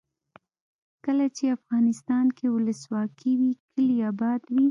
کله چې افغانستان کې ولسواکي وي کلي اباد وي.